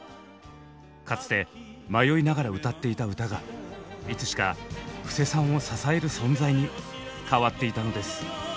かつて迷いながら歌っていた歌がいつしか布施さんを支える存在に変わっていたのです。